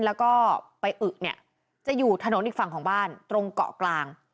แล้วก็ไปอึเนี่ยจะอยู่ถนนอีกฝั่งของบ้านตรงเกาะกลาง